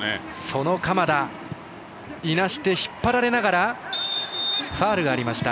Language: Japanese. その鎌田いなして引っ張られながらファウルがありました。